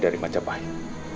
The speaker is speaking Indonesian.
semua bersama kang